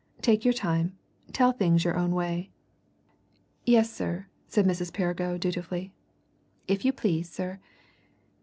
"Take your time tell things your own way." "Yes, sir," said Mrs. Perrigo dutifully. "If you please, sir.